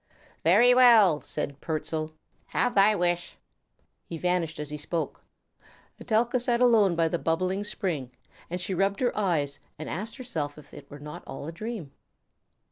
"Very well," said Pertzal, "have thy wish." He vanished as he spoke. Etelka sat alone by the bubbling spring, and she rubbed her eyes and asked herself if it were not all a dream.